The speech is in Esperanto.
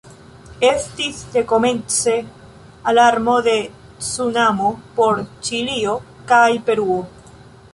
Estis dekomence alarmo de cunamo por Ĉilio kaj Peruo.